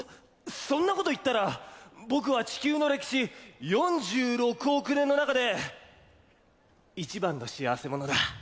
そんなこと言ったら僕は地球の歴史４６億年のなかでいちばんの幸せ者だ。